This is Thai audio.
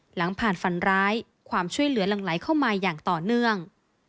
หลังผ่านฝันร้ายความช่วยเหลือหลังไหลเข้ามาอย่างต่อเนื่อง